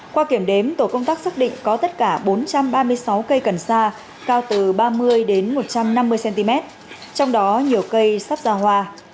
qua kiểm đếm tổ công tác xác định có tất cả bốn trăm ba mươi sáu cây cần sa cao từ ba mươi đến một trăm năm mươi cm trong đó nhiều cây sắp ra hoa